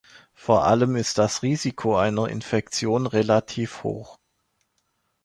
Vor allem ist das Risiko einer Infektion relativ hoch.